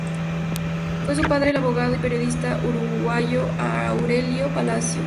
Fue su padre el abogado y periodista uruguayo Aurelio Palacios.